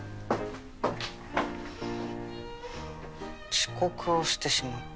「遅刻をしてしまった」。